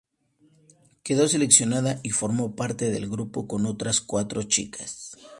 Quedó seleccionada, y formó parte del grupo, con otras cuatro chicas.